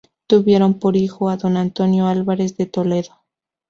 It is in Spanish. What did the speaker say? Tuvieron por hijo a Don Antonio Álvarez de Toledo.